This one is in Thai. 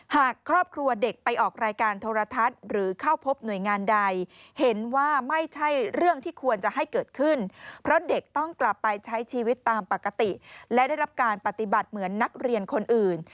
หากครอบครัวเด็กไปออกรายการโทรทัศน์หรือเข้าพบหน่วยงานใดเห็นว่าไม่ใช่เรื่องที่ควรจะให้เกิดขึ้นเพราะเด็กต้องกลับไปใช้ชีวิตตามปกติและได้รับการปฏิบัติเหมือนนักเรียนคนอื่น